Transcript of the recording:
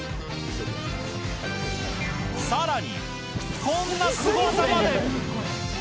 さらに、こんなスゴ技まで。